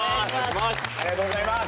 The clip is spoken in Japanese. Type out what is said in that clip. ありがとうございます！